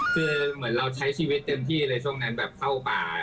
คือเหมือนเราใช้ชีวิตเต็มที่เลยช่วงนั้นแบบเข้าป่า